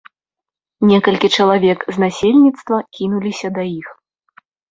Некалькі чалавек з насельніцтва кінуліся да іх.